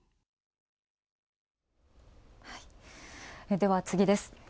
では次です。